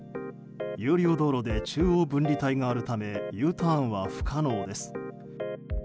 有料道路で中央分離帯があるためＵターンは不可能です。